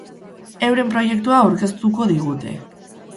Euren proiektua aurkeztuko digute.